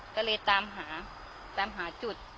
ก็เลยตามหาตามหาจุด